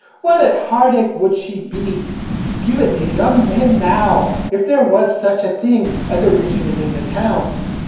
What a heart ache would she be giving the young men now, if there was sich a thing as a rigiment in the town!